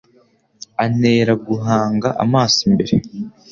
antera guhanga amaso imbere